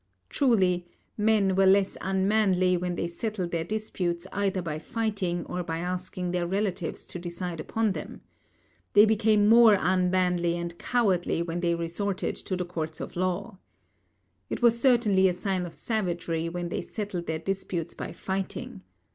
Truly, men were less unmanly when they settled their disputes either by fighting or by asking their relatives to decide upon them. They became more unmanly and cowardly when they resorted to the courts of law. It was certainly a sign of savagery when they settled their disputes by fighting.